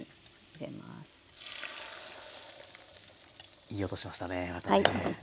いい音しましたねまたね。